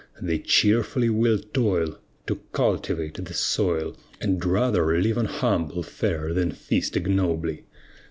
They cheerfully will toil, To cultivate the soil, And rather live on humble fare than feast ignobly.